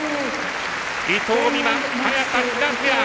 伊藤美誠、早田ひなペア！